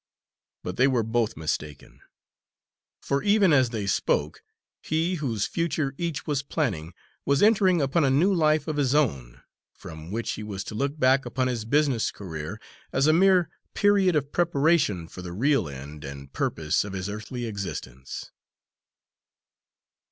But they were both mistaken. For even as they spoke, he whose future each was planning, was entering upon a new life of his own, from which he was to look back upon his business career as a mere period of preparation for the real end and purpose of his earthly existence.